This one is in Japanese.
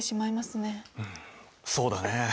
そうだね。